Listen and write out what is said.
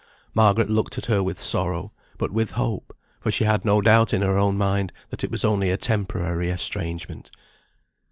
Margaret looked at her with sorrow, but with hope; for she had no doubt in her own mind, that it was only a temporary estrangement.